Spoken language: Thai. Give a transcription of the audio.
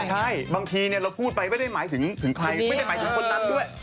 ใช่บางทีเราพูดไปไม่ได้หมายถึงใครไม่ได้หมายถึงคนนั้นด้วย